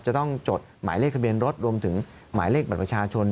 จดหมายเลขทะเบียนรถรวมถึงหมายเลขบัตรประชาชน